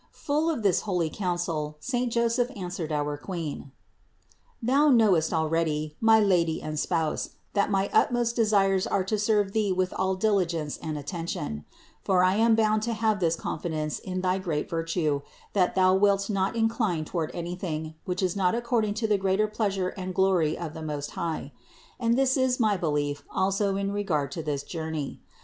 Full of this holy counsel saint Joseph answered our Queen : "Thou knowest already, my Lady and Spouse, that my utmost desires are to serve Thee with all diligence and attention; for I am bound to have this confidence in thy great virtue, that Thou wilt not incline toward anything, which is not according to the greater pleasure and glory of the Most High; and this is my belief also in regard to this journey.